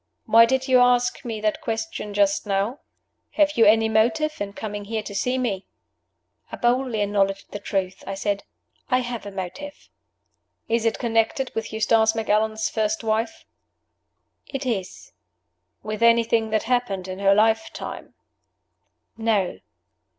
Why did you ask me that question just now? Have you any motive in coming here to see me?" I boldly acknowledged the truth. I said, "I have a motive." "Is it connected with Eustace Macallan's first wife?" "It is." "With anything that happened in her lifetime?" "No."